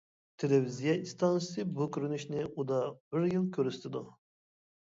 تېلېۋىزىيە ئىستانسىسى بۇ كۆرۈنۈشنى ئۇدا بىر يىل كۆرسىتىدۇ.